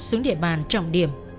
xuống địa bàn trọng điểm